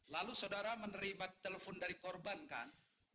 lalu saudara menerima telepon dari korban kan